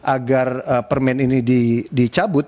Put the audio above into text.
agar permen ini dicabut